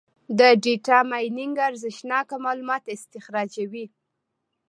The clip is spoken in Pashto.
د ډیټا مایننګ ارزښتناکه معلومات استخراجوي.